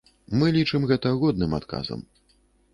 Мы лічым гэта годным адказам.